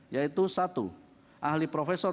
yaitu satu ahli profesor